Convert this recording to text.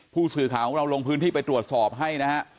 ผู้สื่อข่าวของเราลงพื้นที่ไปตรวจสอบให้นะฮะ